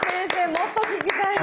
もっと聞きたいね。